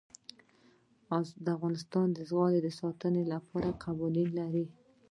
افغانستان د زغال د ساتنې لپاره قوانین لري.